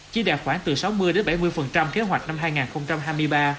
chỉ đạt khoảng từ sáu mươi bảy mươi kế hoạch năm hai nghìn hai mươi ba